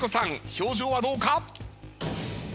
表情はどうか？